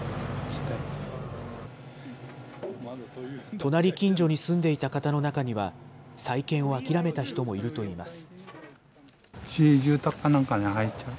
隣近所に住んでいた方の中には、再建を諦めた人もいるといいます。